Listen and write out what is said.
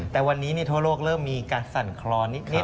แต่วันนี้ทั่วโลกเริ่มมีการสั่นคลอนนิด